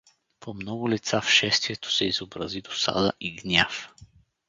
По много лица в шествието се изобрази досада и гняв.